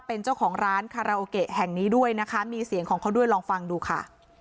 เป็นเจ้าของร้านคาราโอเกะแห่งนี้ด้วยนะคะมีเสียงของเขาด้วยลองฟังดูค่ะ